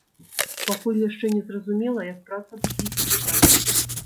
Пакуль яшчэ не зразумела, як праца будзе ісці далей.